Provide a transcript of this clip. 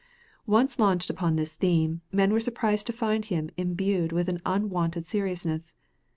Once launched upon this theme, men were surprised to find him imbued with an unwonted seriousness.